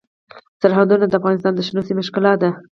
سرحدونه د افغانستان د شنو سیمو ښکلا ده.